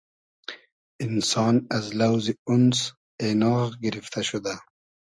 اینسان از لۆزی (اونس) اېناغ گیرفتۂ شودۂ